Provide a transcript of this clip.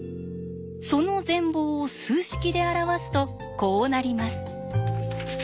その全貌を数式で表すとこうなります。